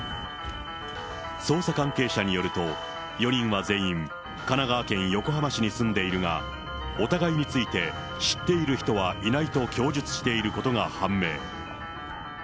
捜査関係者によると、４人は全員、神奈川県横浜市に住んでいるが、お互いについて知っている人はいないと供述していることが判明。